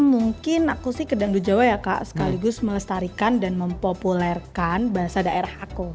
mungkin aku sih ke dangdut jawa ya kak sekaligus melestarikan dan mempopulerkan bahasa daerah aku